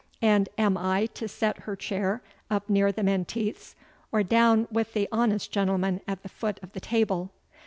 And am I to set her chair up near the Menteith's, or down wi' the honest gentlemen at the foot of the table?"